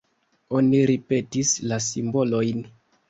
Oni ripetis la simbolojn.